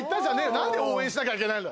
なんで応援しなきゃいけないんだ